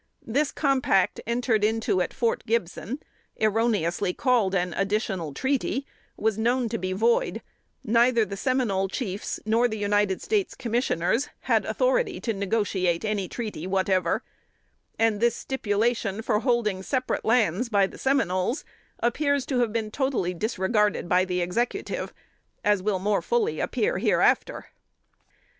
This compact, entered into at Fort Gibson, erroneously called an "additional treaty," was known to be void: neither the Seminole chiefs nor the United States commissioners had authority to negotiate any treaty whatever; and this stipulation, for holding separate lands by the Seminoles, appears to have been totally disregarded by the Executive, as will more fully appear hereafter.